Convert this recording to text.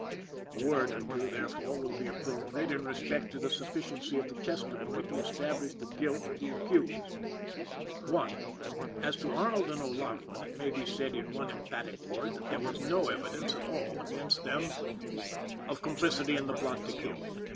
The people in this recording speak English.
A word or two, therefore, will be appropriate in respect to the sufficiency of the testimony to establish the guilt of the accused. I. As to Arnold and O'Laughlin, it may be said in one emphatic word, that there was no evidence at all against them of complicity in the plot to kill.